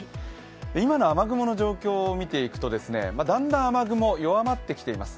今の雨雲の状況を見ていくと、だんだん雨雲、弱まってきています。